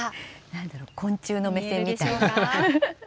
なんだろう、昆虫の目線みたい。